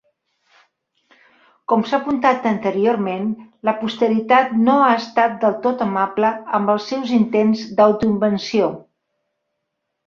Com s'ha apuntat anteriorment, la posteritat no ha estat del tot amable amb els seus intents d'auto-invenció.